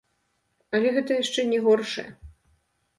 Але гэта яшчэ не горшае.